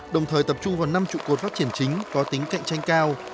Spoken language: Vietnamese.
đồng thời tập trung vào năm trụ cột phát triển chính có tính cạnh tranh cao